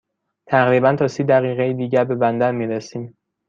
تقریباً تا سی دقیقه دیگر به بندر می رسیم.